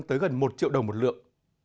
tới gần một triệu đồng một lượng